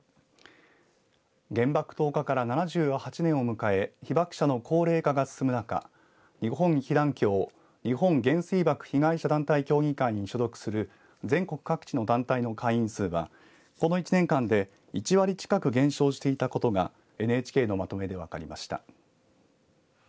原爆投下から７８年を迎え被爆者の高齢化が進む中日本被団協＝日本原水爆被害者団体協議会に所属する全国各地の団体の会員数はこの１年間で１割近く減少していたことがＮＨＫのまとめで分かりました。